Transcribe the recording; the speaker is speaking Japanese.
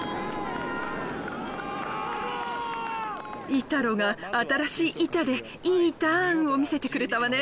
イタロが新しいイタでイイターンを見せてくれたわね。